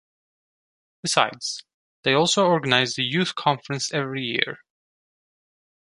Besides, they also organise the Youth Conference every year.